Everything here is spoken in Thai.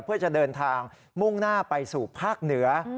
เพื่อจะเดินทางมุ่งหน้าไปสู่ภาคเหนือ